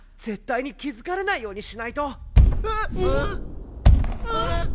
絶対に気付かれないようにしないと。